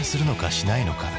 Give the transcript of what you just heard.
しないのか？